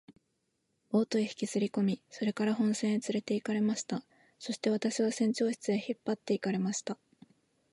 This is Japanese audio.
ボートへ引きずりこみ、それから本船へつれて行かれました。そして私は船長室へ引っ張って行かれました。